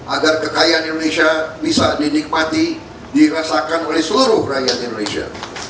agar kekayaan indonesia bisa dinikmati dirasakan oleh seluruh rakyat indonesia